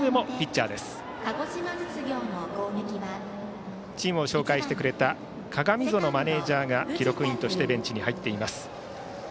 チームを紹介してくれた鏡園マネージャーが記録員としてベンチに入っています。